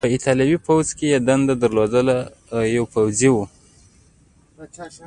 په ایټالوي پوځ کې یې دنده درلودله او یو پوځي و.